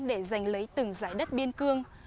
để giành lấy từng giải đất biên cương